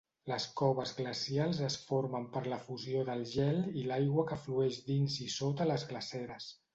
Les coves glacials es formen per la fusió del gel i l'aigua que flueix dins i sota les glaceres.